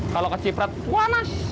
kalau keciprat panas